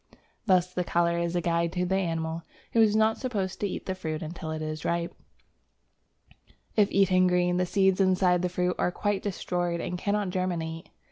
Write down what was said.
Thus the colour is a guide to the animal, who is not supposed to eat the fruit until it is ripe; if eaten green, the seeds inside the fruit are quite destroyed and cannot germinate.